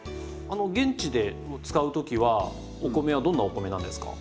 現地で使う時はお米はどんなお米なんですか？